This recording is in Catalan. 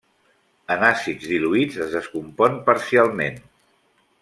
En àcids diluïts es descompon parcialment.